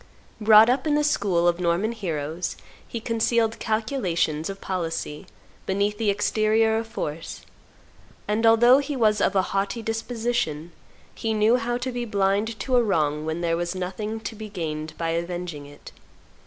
Brought up in the school of Norman heroes, be concealed calculations of policy beneath the exterior of force, and, although he was of a haughty disposition, he knew how to be blind to a wrong when there was nothing to be gained by avenging it.